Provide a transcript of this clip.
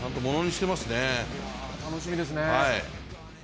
楽しみですね。